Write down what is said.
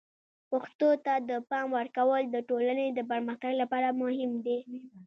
پښتو ته د پام ورکول د ټولنې د پرمختګ لپاره مهم دي.